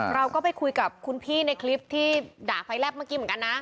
เราก็ไปคุยกับคุณพี่ในคลิปที่ด่าไฟแลบเมื่อกี้เหมือนกันนะ